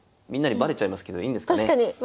みんなにバレちゃいますけどいいんですかね？